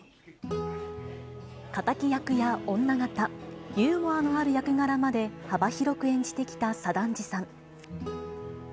敵役や女形、ユーモアのある役柄まで幅広く演じてきた左團次さん。